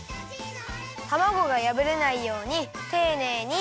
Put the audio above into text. たまごがやぶれないようにていねいに。